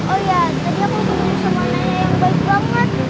oh ya tadi aku ketemu sama nenek yang baik banget